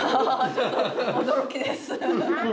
驚きです！